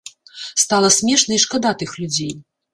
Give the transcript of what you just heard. Стала смешна і шкада тых людзей.